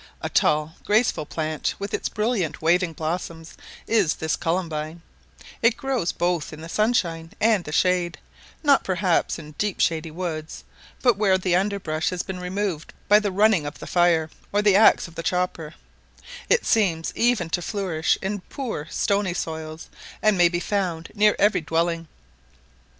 A tall graceful plant, with its brilliant waving blossoms, is this columbine; it grows both in the sunshine and the shade, not perhaps in deep shady woods, but where the under brush has been removed by the running of the fire or the axe of the chopper; it seems even to flourish in poor stony soils, and may be found near every dwelling.